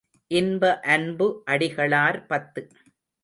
இன்ப அன்பு அடிகளார் பத்து.